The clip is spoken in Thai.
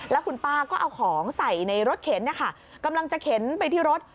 แล้วคุณป้าก็เอาของใส่ในรถเข็นนะคะกำลังจะเข็นไปที่รถ